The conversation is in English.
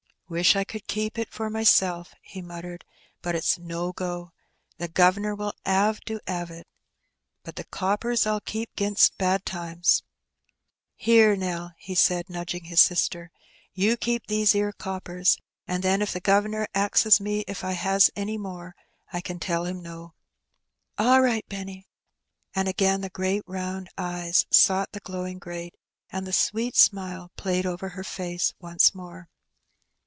"Wish I could keep it for myseP," he muttered; "but it's no go— the guv'nor will 'ave to 'ave it. But the coppers Fll keep 'ginst bad times. Here, Nell," he said, nudging his sister, "you keep these 'ere coppers; and then if the guv'nor axes me if I has any more, I can tell him no." '^All right, Benny." And again the great round eyes sought the glowing grate, and the sweet smile played over her face once more.